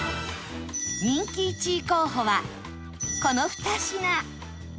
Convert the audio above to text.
人気１位候補はこの２品